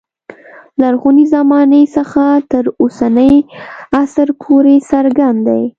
لرغونې زمانې څخه تر اوسني عصر پورې څرګند دی.